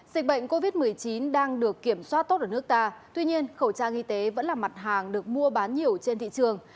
dịch bệnh covid một mươi chín đang được kiểm soát tốt ở nước ta tuy nhiên khẩu trang y tế vẫn là mặt hàng được mua bán nhiều trên thị trường